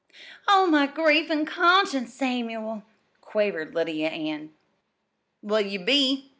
"Oh, my grief an' conscience Samuel!" quavered Lydia Ann. "Well, ye be.